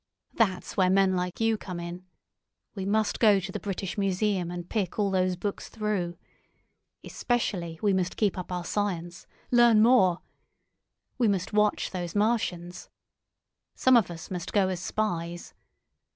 That's where men like you come in. We must go to the British Museum and pick all those books through. Especially we must keep up our science—learn more. We must watch these Martians. Some of us must go as spies.